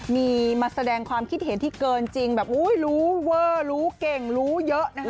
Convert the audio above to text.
มีมาแสดงความคิดเห็นที่เกินจริงแบบอุ้ยรู้เวอร์รู้เก่งรู้เยอะนะคะ